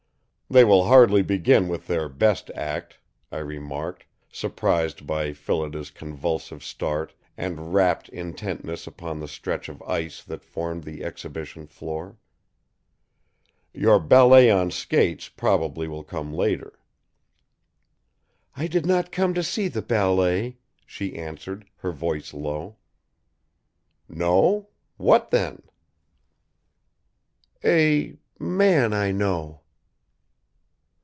"They will hardly begin with their best act," I remarked, surprised by Phillida's convulsive start and rapt intentness upon the stretch of ice that formed the exhibition floor. "Your ballet on skates probably will come later." "I did not come to see the ballet," she answered, her voice low. "No? What, then?" "A man I know?"